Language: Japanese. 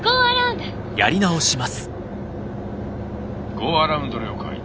ゴーアラウンド了解。